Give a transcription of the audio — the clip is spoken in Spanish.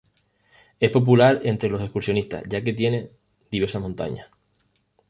Es popular entre los excursionistas, ya que tiene diversas montañas.